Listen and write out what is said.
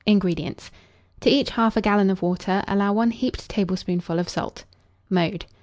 INGREDIENTS. To each 1/2 gallon of water allow 1 heaped tablespoonful of salt. Mode.